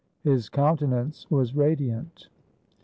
His countenance was radiant.